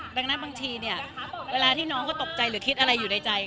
ดังนั้นบางทีเนี่ยเวลาที่น้องเขาตกใจหรือคิดอะไรอยู่ในใจ